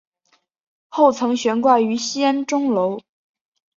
后曾悬挂于西安钟楼。